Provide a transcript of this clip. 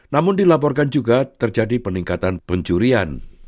namun dilaporkan juga terjadi peningkatan pencurian